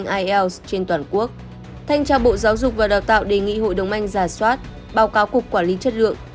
tại kết luận này thanh tra bộ giáo dục và đào tạo đề nghị hội đồng anh giả soát báo cáo cục quản lý chất lượng